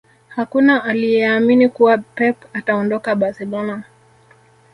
Hakuna aliyeamini kuwa Pep ataondoka Barcelona